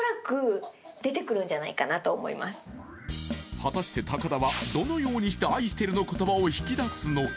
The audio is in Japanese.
果たして高田はどのようにして愛してるの言葉を引き出すのか？